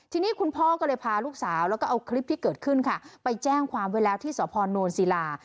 ทีนี้คุณพ่อก็เลยพาลูกสาวแล้วก็เอาคลิปที่เกิดขึ้นค่ะไปแจ้งความไว้แล้วที่สพนศิลา